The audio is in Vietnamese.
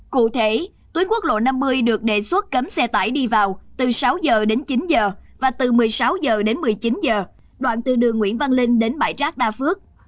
cụ thể tuyến quốc lộ năm mươi được đề xuất cấm xe tải đi vào từ sáu giờ đến chín giờ và từ một mươi sáu h đến một mươi chín giờ đoạn từ đường nguyễn văn linh đến bãi rác đa phước